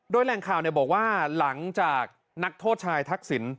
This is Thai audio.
แหล่งข่าวบอกว่าหลังจากนักโทษชายทักษิณ